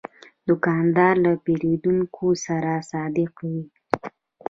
دوکاندار له پیرودونکو سره صادق وي.